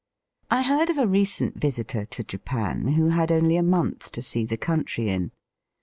I heard of a recent visitor to Japan who had only a month to see the country in.